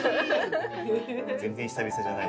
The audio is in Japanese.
全然久々じゃない。